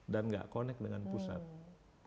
dan gak connect dengan pusat